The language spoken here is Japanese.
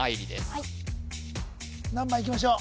はい何番いきましょう？